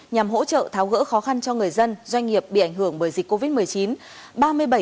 nhằm hỗ trợ tháo gỡ khó khăn cho người dân doanh nghiệp bị ảnh hưởng bởi dịch covid một mươi chín